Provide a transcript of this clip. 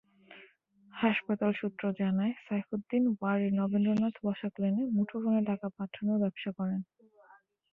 হাসপাতাল সূত্র জানায়, সাইফুদ্দিন ওয়ারীর নবেন্দ্রনাথ বসাক লেনে মুঠোফোনে টাকা পাঠানোর ব্যবসা করেন।